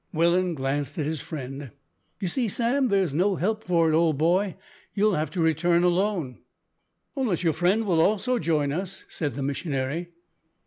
Welland glanced at his friend. "You see, Sam, there's no help for it, old boy. You'll have to return alone." "Unless your friend will also join us," said the missionary.